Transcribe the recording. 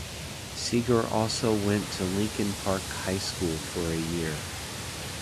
Seger also went to Lincoln Park High School for a year.